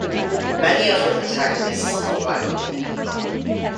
Many of her protagonists are black women.